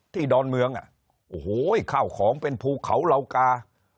ที่ดอนเมืองโอ้โหเข้าของเป็นภูเขาเหล่ากา